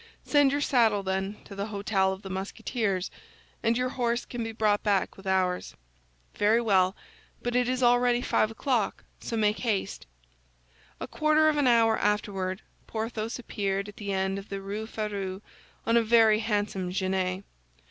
"Send your saddle, then, to the hôtel of the Musketeers, and your horse can be brought back with ours." "Very well; but it is already five o'clock, so make haste." A quarter of an hour afterward Porthos appeared at the end of the Rue Férou on a very handsome genet.